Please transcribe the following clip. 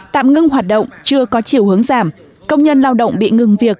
tạm ngưng hoạt động chưa có chiều hướng giảm công nhân lao động bị ngừng việc